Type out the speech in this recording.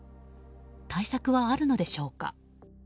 対策はあるのでしょうか。